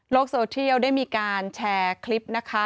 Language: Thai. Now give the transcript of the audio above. โซเทียลได้มีการแชร์คลิปนะคะ